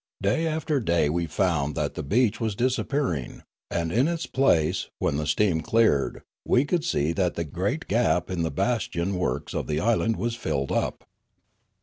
Day after day we found that the beach was disappearing, and in its place, when the steam cleared, we could see that the great gap in the bastion works of the island was filled up.